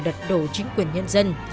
đặt đổ chính quyền nhân dân